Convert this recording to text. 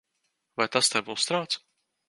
Vai tas tevi uztrauc?